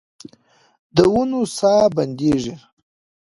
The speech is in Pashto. د ونو ساه بندیږې